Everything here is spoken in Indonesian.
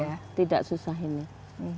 pupuk kandang sudah bisa segede